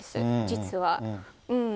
実は。